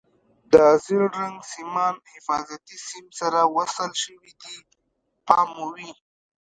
د زیړ رنګ سیمان حفاظتي سیم سره وصل شوي دي پام مو وي.